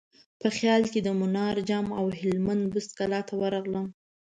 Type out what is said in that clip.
په خیال کې د منار جام او هلمند بست کلا ته ورغلم.